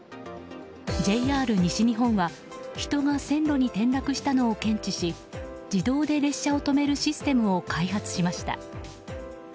ＪＲ西日本は人が線路に転落したのを検知し自動で列車を止めるシステムを開発しました。